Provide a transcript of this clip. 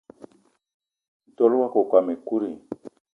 Ntol wakokóm ekut i?